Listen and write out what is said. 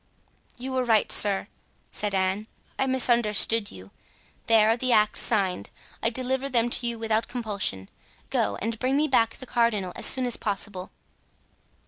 "You were right, sir," said Anne. "I misunderstood you. There are the acts signed; I deliver them to you without compulsion. Go and bring me back the cardinal as soon as possible."